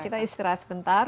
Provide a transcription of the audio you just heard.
kita istirahat sebentar